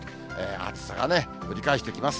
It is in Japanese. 暑さがね、ぶり返してきます。